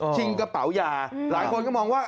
ชิงกระเป๋ายา